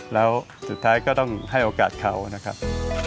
แล้วสุดท้ายก็ต้องให้โอกาสเขานะครับ